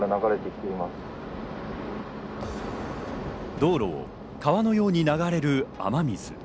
道路を川のように流れる雨水。